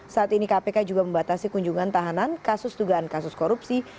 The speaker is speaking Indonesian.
saat ini kpk juga membatasi kunjungan tahanan kasus dugaan kasus korupsi